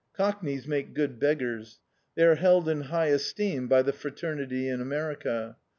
Cockneys make good beggars. They are held in high esteem by the fraternity in America.